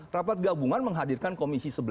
rapat gabungan menghadirkan komisi sebelas